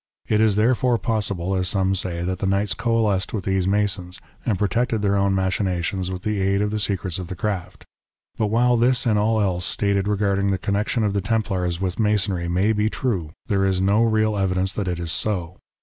It is therefore possible, as some say, that the knights coalesced with these Masons, and protected their own machinations with the aid of the secrets of the craft. But while this and all else stated regarding the connection of the Templars with Masonry may be true, there is no real evidence that it is so.